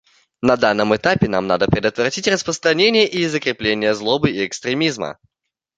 На данном этапе нам надо предотвратить распространение и закрепление злобы и экстремизма.